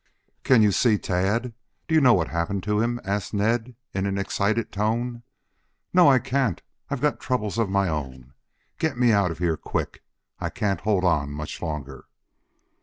"Can you see Tad? Do you know what happened to him?" asked Ned, in an excited tone. "No, I can't. I've got troubles of my own. Get me out of here quick. I can't hold on much longer."